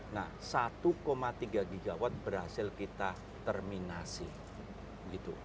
nah satu tiga gigawatt berhasil kita terminasi